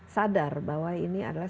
sadar bahwa ini adalah